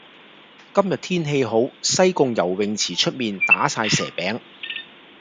今日天氣好，西貢游泳池出面打晒蛇餅。